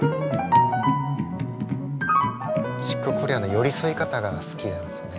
チック・コリアの寄り添い方が好きなんですよね。